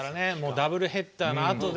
ダブルヘッダーのあとで。